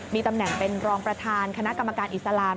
มีตำแหน่งเป็นรองประธานคณะกรรมการอิสลาม